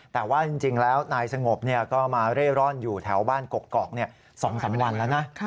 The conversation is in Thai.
แต่ว่าจริงแล้วนายสงบก็มาเร่ร่อนอยู่แถวบ้านกกอก๒๓วันแล้วนะ